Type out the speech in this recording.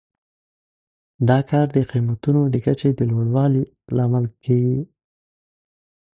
دا کار د قیمتونو د کچې د لوړوالي لامل کیږي.